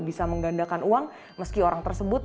bisa menggandakan uang meski orang tersebut